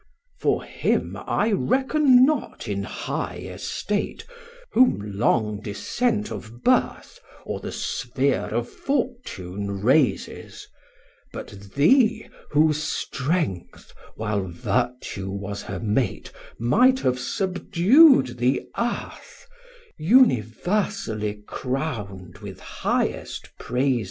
For him I reckon not in high estate 170 Whom long descent of birth Or the sphear of fortune raises; But thee whose strength, while vertue was her mate Might have subdu'd the Earth, Universally crown'd with highest praises.